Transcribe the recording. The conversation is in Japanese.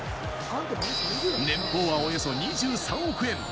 年俸はおよそ２３億円。